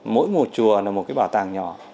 mỗi một chùa là một cái bảo tàng nhỏ